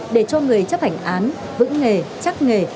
để cho người chấp hành án vững nghề chắc nghề